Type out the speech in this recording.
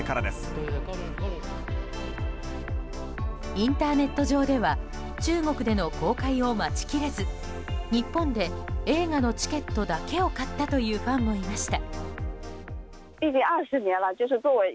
インターネット上では中国での公開を待ち切れず日本で映画のチケットだけを買ったというファンもいました。